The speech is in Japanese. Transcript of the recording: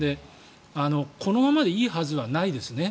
このままでいいはずはないです。